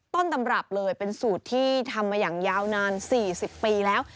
ต้นตำรับเลยเป็นสูตรที่ทำมาอย่างยาวนาน๔๐ปีแล้ว